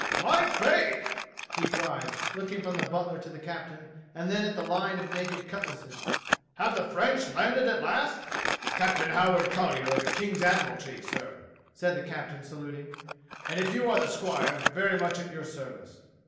" My faith !" he cried, looking from the butler to the captain, and then at the line of naked cutlasses. "Have the French landed at last.^^" "Captain Howard CoUyer of the King's Admiralty, sir," said the captain, saluting, "and if you are the squire, very much at your service."